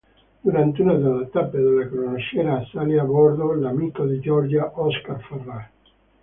Durante una delle tappe della crociera sale a bordo l'amico di Georgia, Oscar Farrar.